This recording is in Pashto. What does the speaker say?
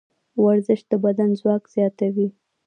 ورزش د بدن ځواک زیاتوي.